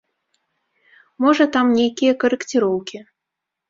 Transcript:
Можа, там нейкія карэкціроўкі.